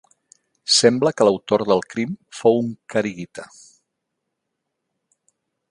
Sembla que l'autor del crim fou un kharigita.